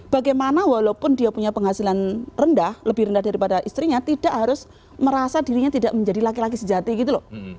bagaimana walaupun dia punya penghasilan rendah lebih rendah daripada istrinya tidak harus merasa dirinya tidak menjadi laki laki sejati gitu loh